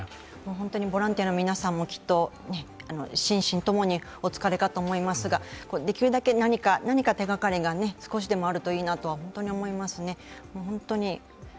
本当にボランティアの皆さんもきっと心身共にお疲れかと思いますが、できるだけ何か手がかりが少しでもあるといいなと思いますね。